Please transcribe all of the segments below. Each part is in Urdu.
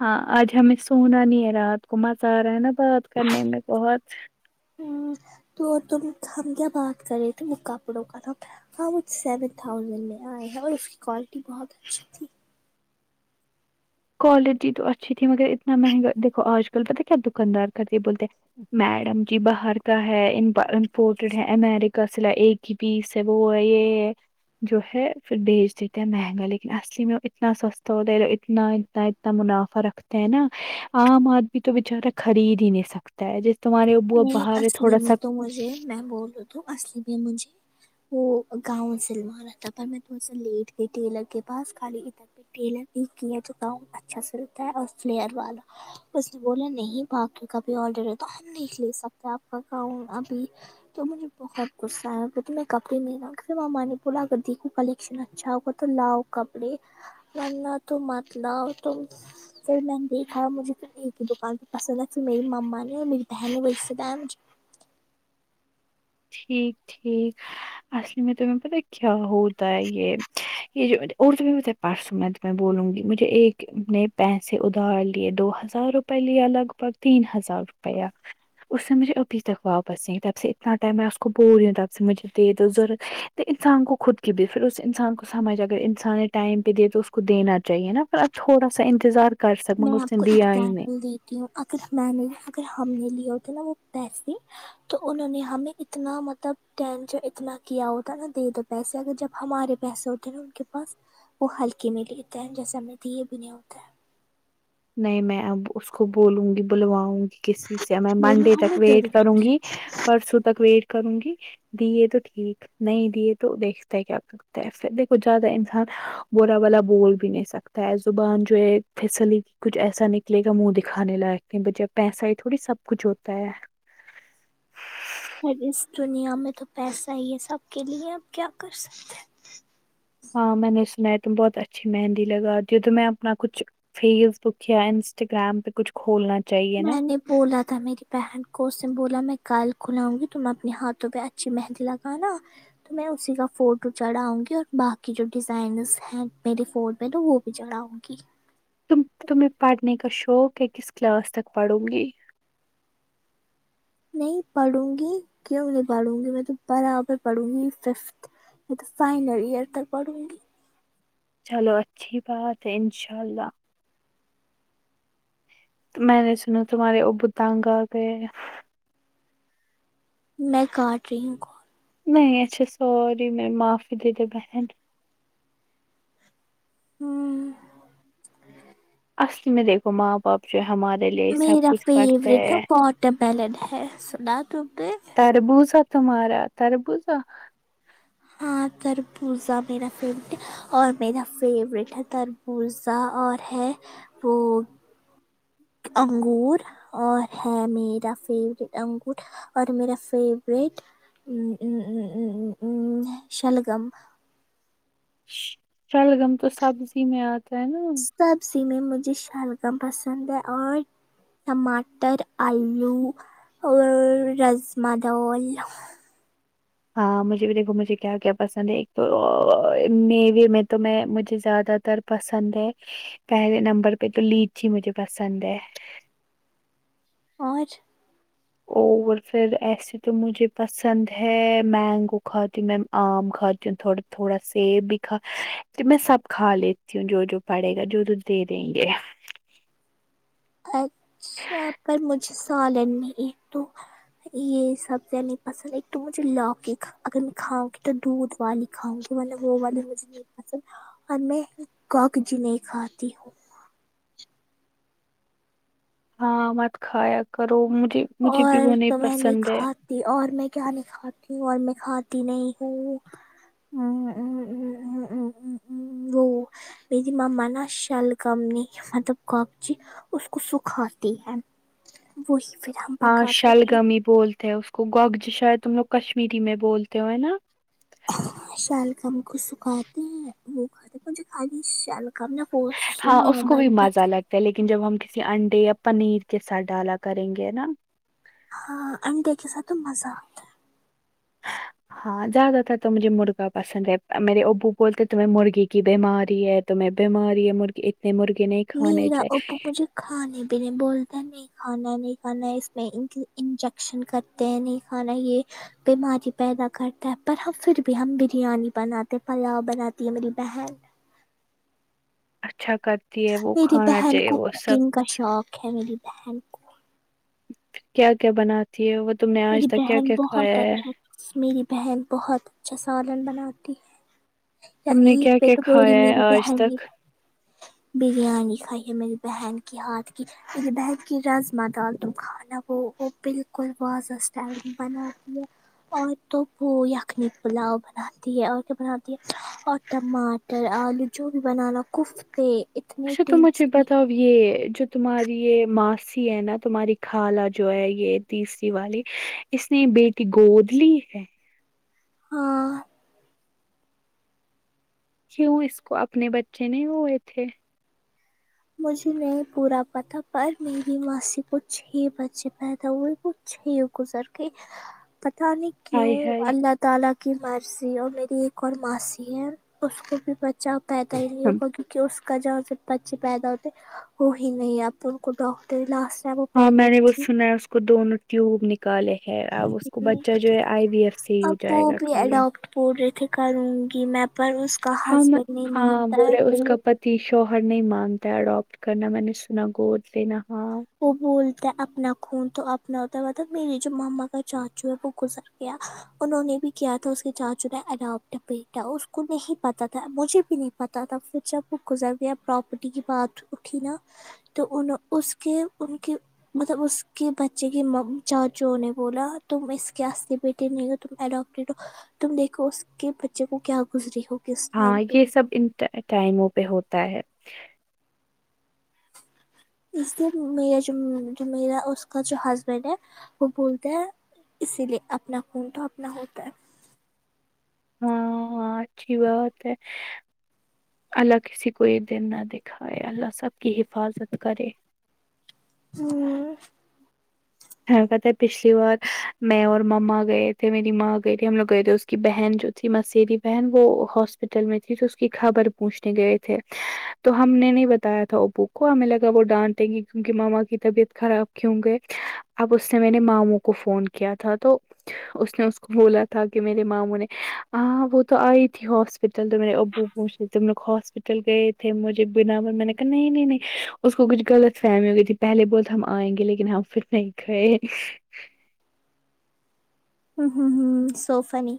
ہاں آج ہمیں سونا نہیں ہے رات کو مزہ آ رہا ہے نا بات کرنے میں بہت ہ تو تم ہم کیا بات کر رہے تھے وہ کپڑوں کر ن ہاں وہ سیون تھوسنڈ میں آئے ہیں اور اس کی کوالٹی بہت اچھی تھی کوالٹی تو اچھی تھی مگر اتنا مہنگا دیکھو آج کل پتا کیا دکاندار کرتی بولتے میڈم جی باہر کا ہے امپورٹڈ ہے امیریکا سے لاے ایک کی بھی سے وہ ہے یہ ہے جو ہے پھر بیچ دیتے ہیں مہنگا لیکن اصلی میں اتنا سستا ہوتا ہے اتنا اتنا اتنا منافع رکھتے ہیں نا عام آدمی تو بچارہ خرید ہی نہیں سکتا ہے جس تمہارے اب نہیں باہر ہے اصلی تھوڑا سا میں تو مجھے میں بولوں تو اصلی میں مجھے وہ گاؤں سلوا رہا تھا پر میں تھوڑا سا لیٹ گئی ٹیلر کے پاس خالی اتنا ٹیلر بھی کیا ہے جو گون اچھا سلتا ہے اور فلیئر والا اس نے بولا نہیں باقی کا بھی آڈر ہے تو ہم نہیں لے سکتے آپ کا گون ابھی تو مجھے بہت غصہ آیا وہ تو میں کپڑے نہیں [unintelligible] تو مما نے بولا دیکھو کل ہی اچھا ہوگا تو لاؤ کپڑے ورنہ تو مت لاؤ تو پھر میں نے دیکھا مجھے تو ایک ہی دکان پے پسند ہے پھر میری مما نے اور میر بھن [unintelligible] ٹھیک ٹھیک اصل میں تمہیں پتا کیا ہوتا ہے یہ یہ جو اور تمہیں پتا پرسوں میں تو میں بولوں گی مجھے ایک نے پیسے ادھار لیے دو ہزار روپے لیا لگ بھگ تین ہزار روپیہ اس سے مجھے ابھی تک واپس نہیں تب سے اتنا میں اس کو بول رہی ہو تب سے مجھے دیدو ضرورت تو انسان کو خود کی بھی پھر اس انسان کو سمجھ اگر انسان نے ٹائم پہ دے تو اس کو دینا چاہیے نا تھوڑا سا انتظار کر سک میں مگر اس آپ نے کو دیا ہی نہیں ایگزامپل اگر میں نے اگر ہم نے لیے ہوتے نا وہ پیسے تو انہوں نے ہمیں اتنا مطلب ٹینشن اتنا کیا ہوتا نا دے دیتا پیسے اگر جب ہمارے پیسے ہوتے ہیں نا ان کے پاس وہ ہلکے میں لیتا ہے جیسا ہم نے دیے بھی نہیں ہوتا ہے نہیں میں اب اس کو بولوں گی بلواؤں گی کسی سے میں بولو منڈے تک ہمیں ویٹ ضرورت ہے کروں گی پرسوں تک ویٹ کروں گی دیے تو ٹھیک نہیں دیے تو دیکھتے ہے کیا کرتا ہے پھر دیکھو ذیادہ انسان برا والا بول بھی نہیں سکتا ہے زبان جو ہے پسلی کچھ ایسا نکلے گا منہ دکھانے لایق نہی بچے پیسہ ہی تھوڑی سب کچھ ہوتا ہے اب اس دنیا میں تو پیسہ ہی ہے سب کے لیے اب کیا کر سکتے ہیں ہاں میں نے سنا ہے تم بہت اچھی مہندی لگاتی ہو تو میں اپنا کچھ فیس بک یا انسٹاگررام پہ کچھ کھولنا چاہیے نا میں نے بولا تھا میری بہن کو اس نے بولا میں کل کھلؤں گی تم اپنے ہاتھوں پہ اچھی مہندی لگانا تو میں اسی کا فوٹو چڑھاؤں گی اور باقی جو ڈیزائنس ہیں میرے فون پہ تو وہ بھی چڑاؤں گی تم تمہیں پڑھنے کا شوق ہے کس کلاس تک پڑھوں گی نہیں پڑھوں گی کیوں نہیں پڑھوں گی میں تو برابر پڑھوں گی ففتھ میں تو فائنل ایئر تر پڑھوں گی چلو اچھی بات ہے انشاء اللہ میں نے سنا تمہارے ا بو تنگ آگئے ہے میں کاٹ رہی ہوں کال نہیں اچھا سوری معافی دے دے بہن ہممم اصل می دیکھو ماں باپ جو ہمارے لیے سب میرا کچھ پڑھتے فیوریٹ ہے [unintelligible] ہے سنا تم نے تربوزا تمہارا تربوزا ہاں تربوزہ میرا فیورٹ ہے اور میرا فیوریٹ ہے تربوزہ اور ہے وہ انگور اور ہے میرا فیوریٹ انگور اور میرا فیفریٹ امم امم امم امممم شلگم شلگم تو سبزی میں آتا ہے نا سبزی میں مجھے شلگم پسند ہے اور ٹماٹر آلو اور رجما دال ہاں مجھے بھی دیکھو مجھے کیا کیا پسند ہے ایک تو میوے میں تو میں مجھے زیادہ تر پسند ہے پہلے نمبر پہ تو لیچی مجھے پسند ہے اور اور پھر ایسے تو مجھے پسند ہے مینگو کھاتی میں آم کھاتی ہوں تھڑا تھوڑا سیب بھی کھا تو میں سب کھا لیتی ہوں جو جو پڑے گا جو جو دے دیں گے اچھا پر مجھے سالن نہیں ہے تو یہ سبزیاں نہیں پسند ایک تو مجھے لوکی اگر میں کھاؤں گی تو دودھ والی کھاؤں گی وہ والے مجھے نہیں پسند اور میں کاک جی نہیں کھاتی ہوں ہاں مت کھایا کرو مجھے مجھے بھی وہ اور تو نہیں میں پسند ہے کھاتی اور میں کیا نہیں کھاتی ہوں اور میں کھاتی نہیں ہوں امم امم امم امم امممم وہ میری ماما نا شلگم نہیں مطلب کاکچی اس کو سکھاتی ہے وہی پھر ہم ہاں پکاتے ہیں شلگمی بولتے ہیں اس کو گوگجی شاید تم لوگ کشمیری میں بولتے ہو نا شلگم کو سکھاتی ہیں وہ کھاتے مجھے کھای شلگم ن پو ہاں اس کو نارمل بھی پت مزہ [unintelligible] لگتا لیکن جب ہم کسی انڈے یا پنیر کے ساتھ ڈالا کریں گے نا ہاں انڈے کے ساتھ تو مزہ آتا ہ ہاں زیادہ تر تو مجھے مرغا پسند ہے میرے ابو بولتے تمہیں مرغی کی بیماری ہے تمہیں بیماری ہے مرغے اتنے مرغے نہیں کھانے میرا چاہیے ابو مجھے کھانے پینے بولتا ہے نہیں کھانا ہے نہیں کھانا اس میں انجیکشن کرتے ہیں نہیں کھانا یہ بیماری پیدا کرتا ہے پر ہم پھر بھی ہم بریانی بناتے ہیں پلاؤ بناتی ہے میری بہن اچھا کرتی ہے وہ میری کھانا بہن چاہیے کو وہ سب کوکنگ کا شوق ہے میری بہن کو کیا کیا بناتی ہے وہ تم نے آج میری تک کیا بہن کیا کھایا بہت ہے اچھا میری بہن بہت اچھا سالن بناتی ہے تم نے ایک کیا پ کیا تو بول رہی کھایا ہے میری آج بہن تک بریانی کھائی ہے میری بہن کے ہاتھ کی میرے بہن کے رجما ڈال د کھانا وہ وہ بالکل وازس ٹائم بنا لو اور تووپو یخنی پلاؤ بناتی ہے اور کیا بناتی ہے اور ٹماٹر آلو جو بھی بنانا کوف تھے اچا تو مجھے بتا ہو [unintelligible] یہ جو تمہاری یہ ماسی ہے نا تمہاری خالہ جو ہے یہ تیسری والی اس نے بیٹی گود لی ہے ہاں کیوں اس کو اپنے بچے نہیں ہوئے تھے مجھے نہیں بورا پتا پر میری ماں سے کچ چھ بچے پیدا ہوے تھے چھ گزر کے پتہ نہیں کیوں ہائے ہائے اللہ تعالی کی مرضی اور میری ایک اور ماسی ہے اس کو بھی با جہ پیدا ہی نہیں ہوگا کیونکہ اس کا جا بچے پیدا ہوتے وہ ہی نہیں آپ ڈاکٹری لاسٹ ٹائم وہ ہاں پلگ میں نے وہ تھی سنا ہے اس کو دونوں ٹیوب نکالے ہے اب اس کو بچہ جو ہے آئی وی ایف سے ہی ہو جائے گا کالے پور رت کروں گی میں پر اس کا ہم ہسبینڈ نہیں ہاں مانتا ہے بولے اس کا پتی شوہر نہیں مانتا اڈاپٹ کرنا میں نے سنا گود لینا ہاں وہ بولتا ہے اپنا خون تو اپنا ا مب میرری جو ماما کا چاچو ہے وہ گزر گیا انہوں نے بھی کیا تھا اس کے جچ ہے اڈاپٹ بیٹا اس کو نہیں پتا تھا مجھے بھی نہیں پتا تھا پھر جب وہ گزر گیا پراپرٹی کی بات اٹھی نا تو انوں اس کہ ان کی مطلب اس کے بچے کے چاچو نے بولا تم اس کے ہستے بیٹے نہیں تمڈٹی ہو تم دیکھو اس کے بچے کو کیا گزری ہو ہاں یہ سب ان ٹائموں پہ ہوتا ہے اس لیے میرا جو میرا اس کا جو ہسبینڈ ہے وہ بولتے ہیں اسی لیے اپنا خون تو اپنا ہوتا ہے ہاںاں اچھی بات ہے اللہ کسی کوئی دن نہ دے ائے اللہ سب کی حفاظت کرے ہمم کہ تھا پچھلی بار میں اور مما گئے تھے میری ماں گئی تھی ہم لوگ گئے تھے اس کی بہن جو تھی مسیری بہن وہ ہاسپٹل میں تھی تو اس کی خبر پوچھنے گئے تھے تو ہم نے نہیں بتایا تھا وہ بک کو ہمیں لگا وہ ڈانٹیں گے کیونکہ ماما کی طبیعت خراب کیوں گئے اب اس نے میں نے ماموں کو فون کیا تھا تو اس نے اس کو بولا تھا کہ میرے ماموں نے ہاں وہ تو آئی تھی ہاسپٹل تو میرے ابو مھے تم لوگ ہاسپٹل گئے تھے مجھے بنا پر میں نے کہا نہیں نہیں نہیں اس کو کچھ غلط فہمی ہو گئی تھی پہلے بہت ہم آئیں گے لیکن ہم پھر نہیں کھے ہم ہمم سو فنی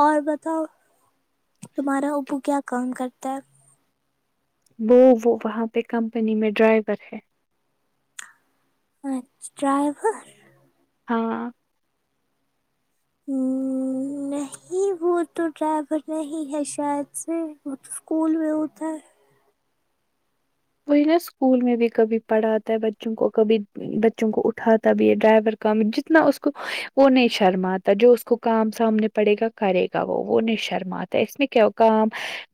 اور بتاؤ تمہارا اوبو کیا کام کرتا ہے وہ وہ وہاں پہ کمپنی میں ڈرائیور ہے اچھا ڈرائیورور ہاں ہمممم نہیںی وہ تو ڈرائیور نہیں ہے شاید سے وہ اسکول میں ہوتا ہے وہی نا اسکول میں بھی کبھی پڑھاتا ہے بچوں کو کبھی بچوں کو اٹھاتا بھی ڈرائیور کا جتنا اس کو وہ نہیں شرم آتا جو اس کو کام سامنے پڑے گا کرے گا وہ نہیں شرماتے اس میں کا کام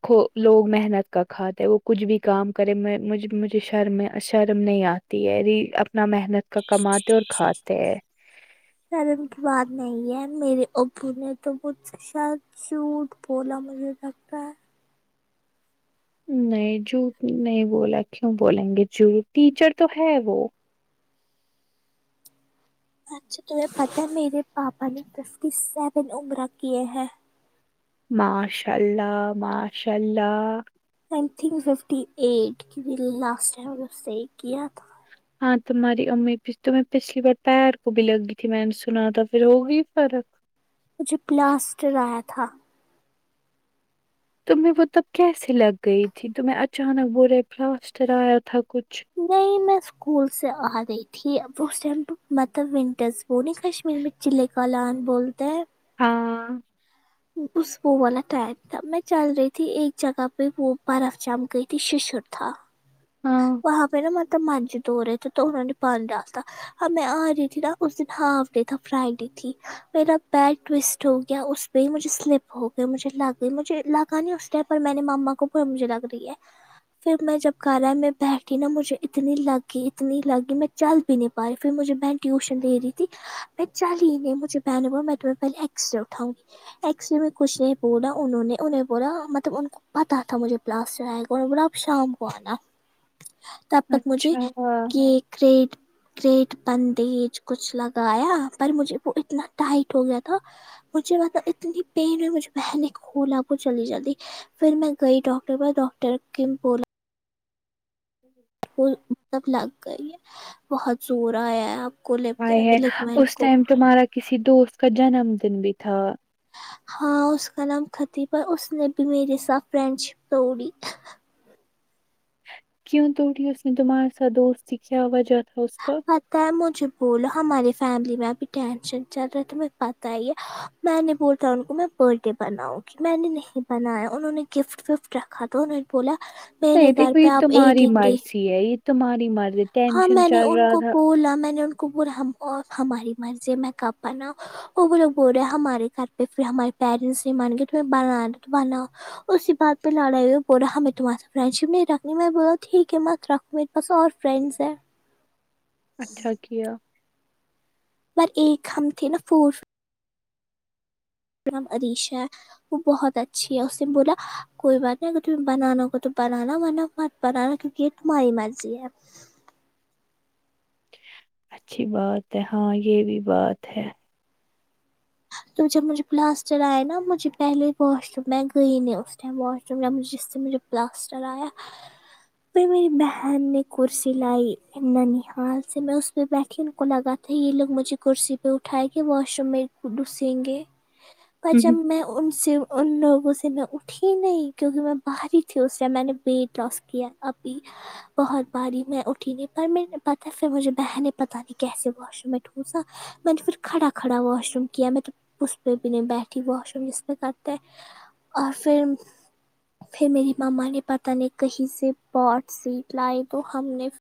ک لوگ محنت کا کھاتے ہیں وہ کچھ بھی کام کرے میں مجھ مجھے شرم شرم نہیں آتی ہے اپنا محنت کا کماتے اور کھاتے ہیں سرم کی بات نہیں ہے میرے ابو نے تو مجھ سے شا چوٹ بولا مجھے لگتا ہے نہیں جو نہیں بولا کیوں بولیں گے جر ٹیچر تو ہے وہ اچھا تمہیں پتا میرے پاپا نے دس کی سیون عمر کیے ہیں ماشاء اللہ ماشاء اللہ ننگ فف ایٹن لاسٹ ٹائم اس سے ایک کیا تھا ہاں تمہاری امی بھی تو میں پچھلی بار پیر کو بھی لگی تھی میں نے سنا تھا پھر ہوگئی فرق مجھے پلاسٹر آیا تھا تو میں وہ تب کیسے لگ گئی تھی تو میں اچانک بول رہے پلاسٹر آیا تھا کچھ نہیں میس اسکول سے آ گی تھی اب وہ مپو مطلب ونٹرس وہ نہیں کشمیر میں چلک لان بولتے ہیں ہاں اس وہ والا ٹائم تھا میں چل رہی تھی ایک جگہ پہ وہ برف جم گئی تھی ششر تھا ہاں وہاں پہ نا مطلب منج تو رہے تھے تو انہوں نے پانی ڈال تا ہم میں آ رہی تھی نا اس دن ہاف ڈے تھا فرائی ڈے تھی میرا بیٹ ٹوسٹ ہو گیا اس پہ ہی مجھے سلپ ہو گیا مجھے لگ گئی مجھے لگا نہیں اسٹیپ اور میں نے ماما کو بولا مجھے لگ رہی ہے پھر میں جب کر رہا ہے میں بیٹھی نا مجھے اتنی لگی اتنی لگی میں چل بھی نہیں پا رہی پھر مجھے بیٹ ٹیوشن دے رہی تھی میں چل ہی نہیں مجھے بہن بولا میں میں پہے ایکسٹرا اٹھاؤں گی ایکسٹرا میں کچھ نہیں بولا انہوں نے انہیں بولا مطلب ان کو پتا تھا مجھے پلاسٹر آئے گا اور اب شام کو آنا تب تک مجھے اچھا کیک ریڈ گریٹ بندیج کچھ لگایا پر مجھے وہ اتنا ٹائٹ ہو گیا تھا مجھے پتہ اتنی پین ہے مجھے بہن ایک کھولا کو چلی جاتی پھر میں گئی ڈاکٹر بعد ڈاکٹر کم بول [unintelligible] وہ مطلب لگ گئی ہے بہت زور آیا اب کو لب کے آئے ہے الیکمینٹ اس کو ٹائم تمہارا کسی دوست کا جنم دن بھی تھا ہاں اس کا نام خطبہ اس نے بھی میرے ساتھ فرینڈ شپ توڑی کیوں تو توڑھی ہے اس نے تمہارے ساتھ دوست کی کیا وجہ تھا اس کا پتا ہے مجھے بولو ہماری فیملی میں ابھی ٹینشن چل رہا تھا تمہں پتا ہی ہے میں نے بولا تھا ان کو میں برتھ ڈے بناؤں گی میں نے نہیں بنایا انہوں نے گفٹ وفٹ رکھا تھا انہوں نے بولا میرے گھر پہ آپ ایک ایک ڈے یہی ہے تمہاری مرد ہاں میں نے ان کو بولا میں نے ان کو بولا ہماری مرضی میں کب بنا اور وہ لگ بول رہے ہیں ہمارے گھر پہ پھر ہمارے پیرنٹس نے مانے گیا تمہیں بنا دو تو بنا اسی بات پہ لڑائی ہوئے بو رہا میں تمہار سے فرینڈ شپ نہیں رکھنی میں بو ہوں ٹھیک ہے مت رکھوں میرے پاس اور فرینڈس ہے اچھا کیا م ایک ہم تھے نا فور نام عریشا ہے وہ بہت اچھی ہے اس نے بولا کوئی بات نہیں اگر تمہیں بنانا ہوگا تو بنانا بناا پتا ہے نا کیونکہ یہ تمہاری مرضی ہے اچھی بات ہے ہاں یہ بھی بات ہے تو جب مجھے پلاسٹر آئے نا مجھے پہلے واش روم میں گئی نہیں اس ٹائم واش روم ب مجھ جس سے مجھے پلاسٹر آ ہے پھر میری بہن نے کرسی لائی ننحال سے میں اس پہ بیٹھی ان کو لگا تھاے یہ لوگ مجھے کرسی پہ اٹھا کے واش روم میں ڈسیں گے پر جب میں ان سے ان لوگوں سے میں اٹھی نہیں کیونکہ میں باہر ہی تھی اس سے میں نے ویٹ لاس کیا ابھی بہت باری میں اٹھی نہیں پر پتاہ پھر مجھے بہنیں پتہ نہیں کیسے ہوا ٹھوسا پھر میں نے کھاڑا کھاڑا واش روم کیا اس پہ بھی نہیں بیٹھی واش روم جس پہ کرتے اور پھر پھر میری ماما نے بات پتا نہیں کہیں سے پاٹ سیٹ لائی تو ہم نے